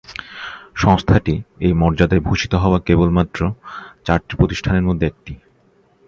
সংস্থাটি এই মর্যাদায় ভূষিত হওয়া কেবলমাত্র চারটি প্রতিষ্ঠানের মধ্যে একটি।